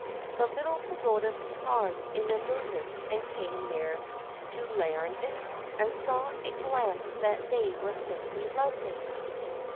The little pagodas paused in their movements and came near to Laideronnette, and she saw at a glance that they were simply lovely.